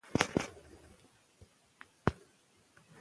که دودونه وساتو نو پښتونوالي نه مري.